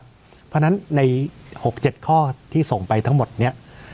เพราะฉะนั้นใน๖๗ข้อที่ส่งไปทั้งหมดนี้